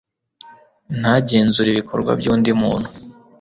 ntagenzure ibikorwa by'undi muntu